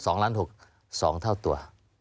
๒เท่าตัว๒๓เท่าตัว